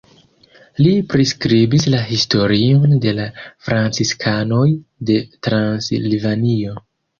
Li priskribis la historion de la franciskanoj de Transilvanio.